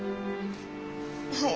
はい。